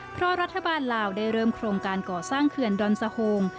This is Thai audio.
เพราะรัฐบาลลาวได้เริ่มโครงการก่อสร้างเขื่อนดอนสะโฮง